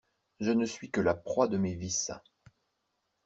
Je ne suis que la proie de mes vices!